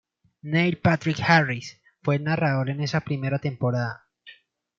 Neil Patrick Harris fue el narrador en esa primera temporada.